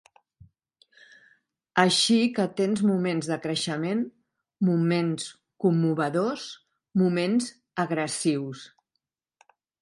Així que tens moments de creixement, moments commovedors, moments agressius.